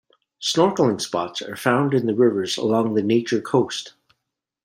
Snorkeling spots are found in the rivers along the Nature Coast.